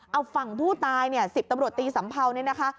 เอาฝั่งผู้ตายเนี่ย๑๐ตำรวจตีสัมเภาเนี่ยนะคะ